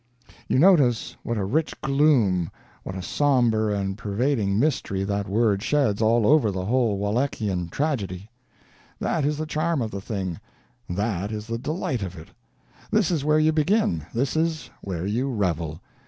You notice what a rich gloom, what a somber and pervading mystery, that word sheds all over the whole Wallachian tragedy. That is the charm of the thing, that is the delight of it. This is where you begin, this is where you revel.